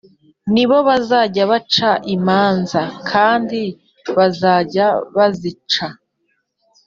Ni bo bazajya baca imanza b kandi bazajya bazica